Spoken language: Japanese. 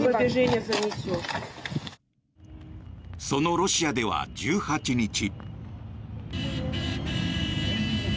そのロシアでは１８日。